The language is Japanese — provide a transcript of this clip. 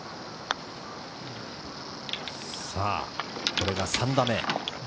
これが３打目。